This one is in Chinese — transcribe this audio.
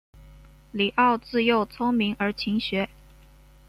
李鏊自幼聪明而勤学。